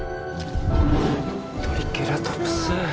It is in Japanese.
トリケラトプス。